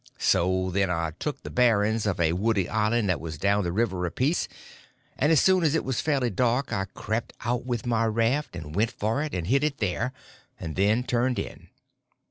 So then I took the bearings of a woody island that was down the river a piece, and as soon as it was fairly dark I crept out with my raft and went for it, and hid it there, and then turned in.